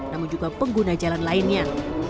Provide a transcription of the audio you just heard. namun juga pengguna jalan lainnya